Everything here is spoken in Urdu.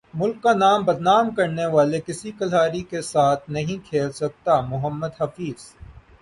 ملک کا نام بدنام کرنے والے کسی کھلاڑی کے ساتھ نہیں کھیل سکتا محمد حفیظ